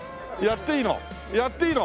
やっていいの？